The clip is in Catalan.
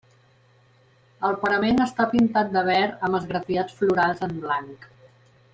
El parament està pintat de verd amb esgrafiats florals en blanc.